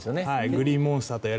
グリーンモンスター。